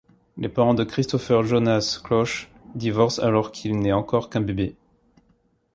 Les parents de Kristoffer Jonas Klauß divorcent alors qu'il n'est encore qu'un bébé.